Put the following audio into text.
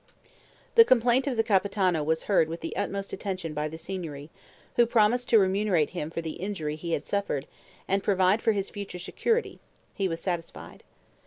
The complaint of the Capitano was heard with the utmost attention by the Signory, who promising to remunerate him for the injury he had suffered and provide for his future security, he was satisfied.